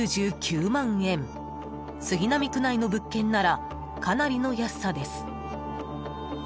［杉並区内の物件ならかなりの安さです］